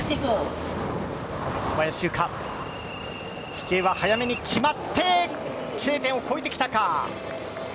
飛型は早めに決まってＫ点をこえてきたか。